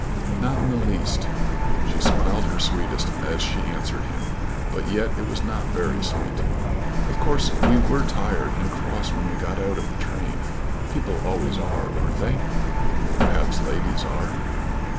"Not in the least." She smiled her sweetest as she answered him, but yet it was not very sweet. "Of course we were tired and cross when we got out of the train. People always are; aren't they?" "Perhaps ladies are."